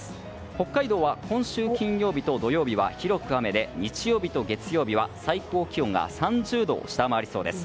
北海道は今週金曜日と土曜日は広く雨で、日曜日と月曜日は最高気温が３０度を下回りそうです。